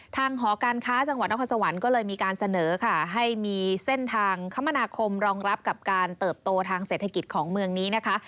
หอการค้าจังหวัดนครสวรรค์ก็เลยมีการเสนอค่ะให้มีเส้นทางคมนาคมรองรับกับการเติบโตทางเศรษฐกิจของเมืองนี้นะคะ